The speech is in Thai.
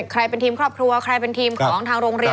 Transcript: ใครเป็นทีมครอบครัวใครเป็นทีมของทางโรงเรียน